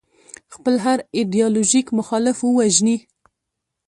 خپل هر ایدیالوژیک مخالف ووژني.